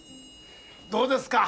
どうですか？